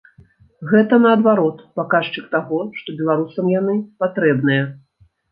Гэта, наадварот, паказчык таго, што беларусам яны патрэбныя.